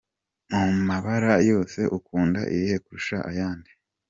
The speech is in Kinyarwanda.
Mumabara yose ukunda irihe kurusha ayandi?